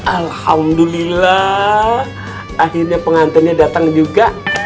alhamdulillah akhirnya pengantinnya datang juga